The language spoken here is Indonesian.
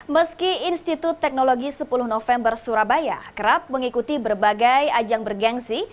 meski institut teknologi sepuluh november surabaya kerap mengikuti berbagai ajang bergensi